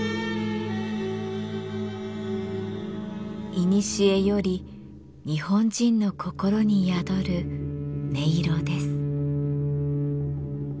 いにしえより日本人の心に宿る音色です。